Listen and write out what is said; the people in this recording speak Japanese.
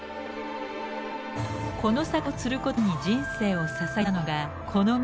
この魚を釣ることに人生をささげたのがこの道